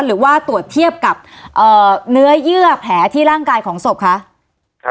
หรือว่าตรวจเทียบกับเนื้อเยื่อแผลที่ร่างกายของศพคะ